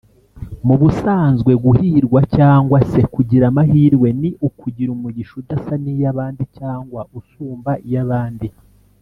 Mu busanzwe guhirwa cyangwa se kugira amahirwe ni ukugira umugisha udasa n'iyabandi cyangwa usumba iy'abandi